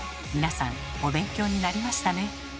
皆さんお勉強になりましたね。